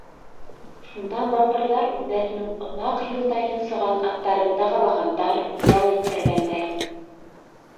Шунда батырҙар үҙҙәренең оҙаҡ юлда йонсоған аттарын дағалағандар, ял иттергәндәр...